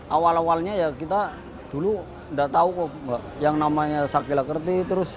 awal awalnya ya kita dulu nggak tahu kok yang namanya sakila kerti